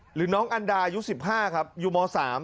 หรือน้องอันดาอายุ๑๕ครับอยู่ม๓